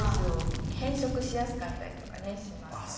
変色しやすかったりとかねしますので。